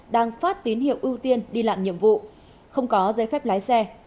đang phát tín hiệu ưu tiên đi làm nhiệm vụ không có giấy phép lái xe